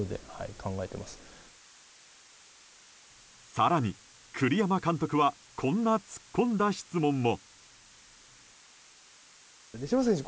更に、栗山監督はこんな突っ込んだ質問も。